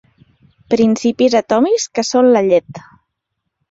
Principis atòmics que són la llet.